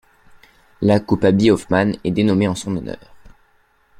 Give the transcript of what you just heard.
La Coupe Abby Hoffman est dénommée en son honneur.